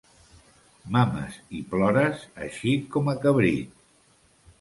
Mames i plores, així com a cabrit.